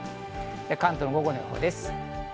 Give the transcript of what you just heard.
関東、午後の予報です。